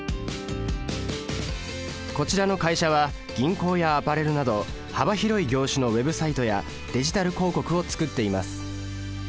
こちらの会社は銀行やアパレルなど幅広い業種のＷｅｂサイトやデジタル広告を作っています。